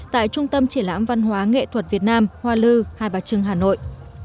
tại trung tâm triển lãm văn hóa nghệ thuật việt nam hoa lư hai bà trưng hà nội